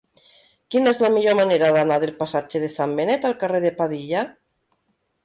Quina és la millor manera d'anar del passatge de Sant Benet al carrer de Padilla?